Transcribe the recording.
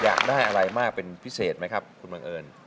อยากได้อะไรมากเป็นพิเศษไหมครับคุณบังเอิญ